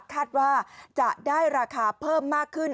คาดว่าจะได้ราคาเพิ่มมากขึ้น